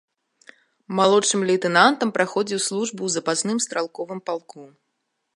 Малодшым лейтэнантам праходзіў службу ў запасным стралковым палку.